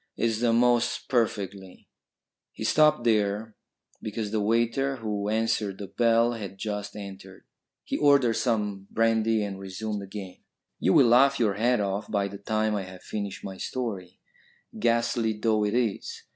It's the most perfectly " He stopped there because the waiter who answered the bell had just entered. He ordered some brandy and resumed again. "You will laugh your head off by the time I have finished my story, ghastly though it is.